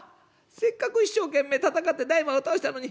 せっかく一生懸命戦って大魔王倒したのに。